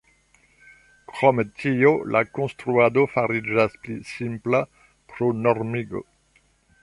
Krom tio la konstruado fariĝas pli simpla pro normigo.